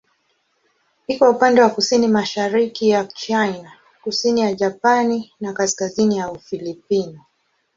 Iko upande wa kusini-mashariki ya China, kusini ya Japani na kaskazini ya Ufilipino.